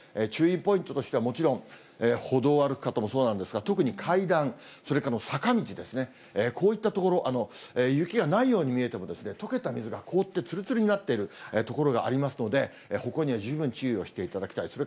注意ポイントとしてはもちろん、歩道をある方もそうなんですが、特に階段、それから坂道ですね、こういった所、雪がないように見えても、とけた水が凍ってつるつるになっている所がありますので、歩行には十分注意をしていただきたい。